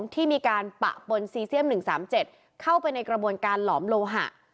ที่มีการปะปนซีเซียม๑๓๗เข้าไปในกระบวนการหลอมโลหะ